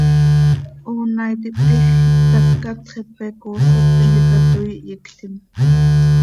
Hoona iti hptiij, ihptacat, Xepe Coosot tintica toii hyictim.